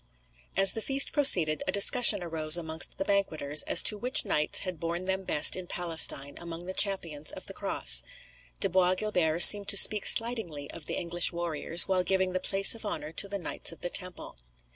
As the feast proceeded, a discussion arose amongst the banqueters as to which knights had borne them best in Palestine among the champions of the Cross. De Bois Guilbert seemed to speak slightingly of the English warriors, while giving the place of honour to the Knights of the Temple.